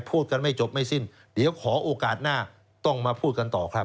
พูดกันไม่จบไม่สิ้นเดี๋ยวขอโอกาสหน้าต้องมาพูดกันต่อครับ